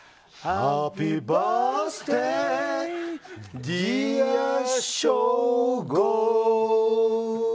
ハッピーバースデーディア省吾！